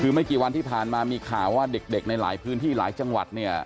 คือไม่กี่วันที่ผ่านมามีข่าวว่าเด็กในหลายพื้นที่หลายจังหวัดเนี่ย